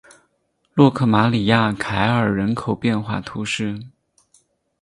洛克马里亚凯尔人口变化图示